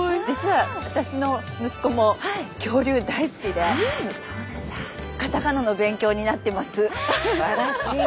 実は私の息子も恐竜大好きでカタカナの勉強になってます。